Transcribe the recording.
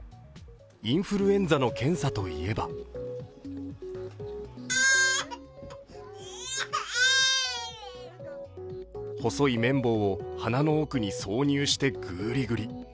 インフルエンザの検査といえば細い綿棒を鼻の奥に挿入してグリグリ。